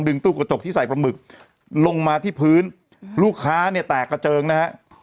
ตู้กระจกที่ใส่ปลาหมึกลงมาที่พื้นลูกค้าเนี่ยแตกกระเจิงนะฮะ